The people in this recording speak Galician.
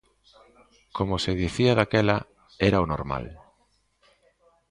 Como se dicía daquela, era o normal.